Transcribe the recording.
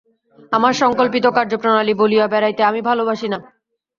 আমার সঙ্কল্পিত কার্যপ্রণালী বলিয়া বেড়াইতে আমি ভালবাসি না।